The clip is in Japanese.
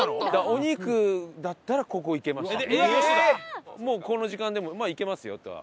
お肉だったらここいけましたね。